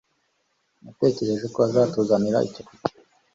Natekereje ko azatuzanira icyo kurya.